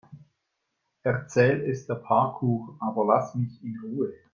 Erzähl es der Parkuhr, aber lass mich in Ruhe.